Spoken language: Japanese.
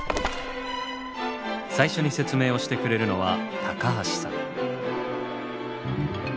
最初に説明をしてくれるのは橋さん。